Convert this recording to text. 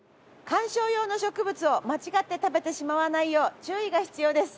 観賞用の植物を間違って食べてしまわないよう注意が必要です。